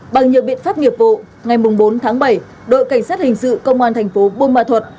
bằng nhiều biện pháp nghiệp vụ ngày bốn tháng bảy đội cảnh sát hình sự công an tp bunma thuộc